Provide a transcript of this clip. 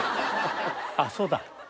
あっそうだ。